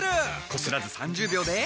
こすらず３０秒で。